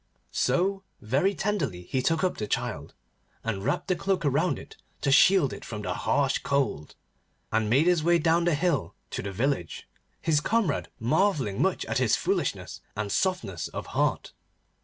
So very tenderly he took up the child, and wrapped the cloak around it to shield it from the harsh cold, and made his way down the hill to the village, his comrade marvelling much at his foolishness and softness of heart.